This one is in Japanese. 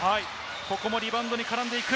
ここもリバウンドに絡んでいく。